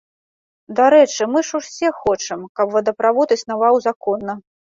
Дарэчы, мы ж усе хочам, каб водаправод існаваў законна.